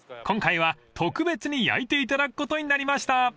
［今回は特別に焼いていただくことになりました］